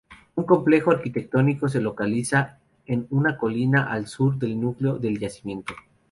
Un complejo arquitectónico se localiza en una colina al sur del núcleo del yacimiento.